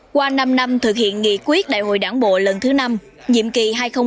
qua năm năm thực hiện nghị quyết đại hội đảng bộ lần thứ năm nhiệm kỳ hai nghìn một mươi năm hai nghìn hai mươi